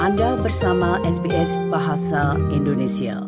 anda bersama sbs bahasa indonesia